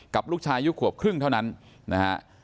กับลูกชายอายุขวบครึ่งเท่านั้นนะฮะ